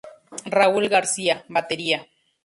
Raúl García: batería.